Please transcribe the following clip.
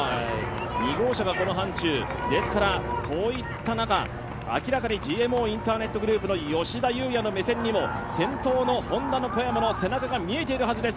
２号車がこの範ちゅう、こういった中、明らかにＧＭＯインターネットグループの吉田祐也の目線にも、先頭のＨｏｎｄａの姿が見えているはずです。